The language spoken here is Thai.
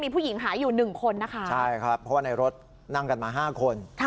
เพราะว่าในรถนั่งกันมา๕คน